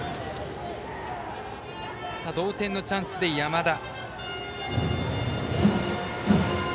同点のチャンスで山田。